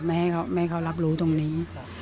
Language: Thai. ไม่ให้เขารับรู้ตรงนี้